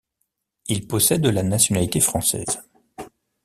Il possède la nationalité française.